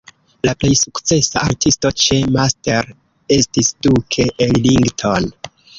La plej sukcesa artisto ĉe Master estis Duke Ellington.